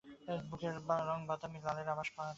মুখের রঙ বাদামি, লালের আভাস দেওয়া।